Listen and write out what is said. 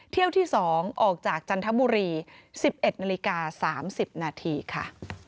เที่ยวที่๒ออกจากจันทบุรี๑๑นาฬิกา๓๐นาทีค่ะ